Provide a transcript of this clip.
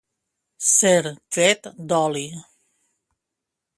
Ser tret d'oli.